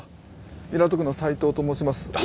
港区の斉藤と申します。